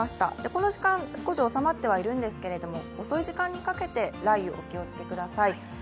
この時間、少し収まってはいるんですけれども、遅い時間にかけて雷雨、お気をつけください。